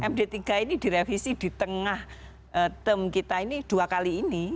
md tiga ini direvisi di tengah term kita ini dua kali ini